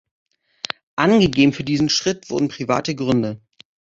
Angegeben für diesen Schritt wurden private Gründe.